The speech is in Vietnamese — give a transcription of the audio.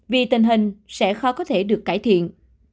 vì tình hình sẽ khó có thể được cải thiện